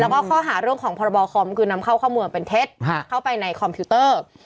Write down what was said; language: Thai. แล้วก็เขาหาเรื่องของพคนำเข้าเข้าหมวมเป็นเทสเข้าไปในคอมพิวเตอร์